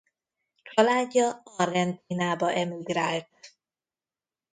Családja Argentínába emigrált.